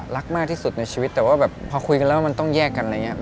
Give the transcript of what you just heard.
รักมากที่สุดในชีวิตแต่ว่าแบบพอคุยกันแล้วมันต้องแยกกันอะไรอย่างนี้